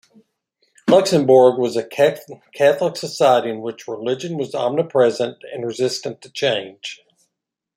Luxembourg was a Catholic society, in which religion was omnipresent and resistant to change.